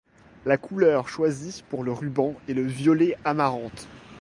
La couleur choisie pour le ruban est le violet amarante.